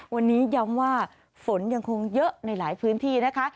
วันนี้ย้ำว่าฝนยังคงเยอะในหลายพื้นที่นะคะ